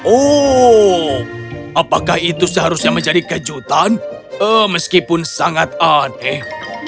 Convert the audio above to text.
oh apakah itu seharusnya menjadi kejutan meskipun sangat aneh